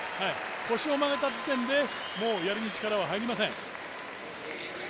腰を曲げた時点で、もうやりに力は入りません。